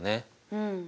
うん。